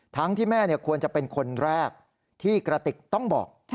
ที่แม่ควรจะเป็นคนแรกที่กระติกต้องบอก